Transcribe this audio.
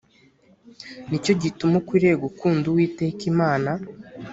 ni cyo gituma ukwiriye gukunda uwiteka imana